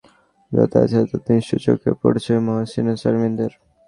ঢাকার রাস্তায় যাঁদের নিয়মিত যাতায়াত আছে, তাঁদের নিশ্চয় চোখে পড়েছে মহসিনা, শারমিনদের।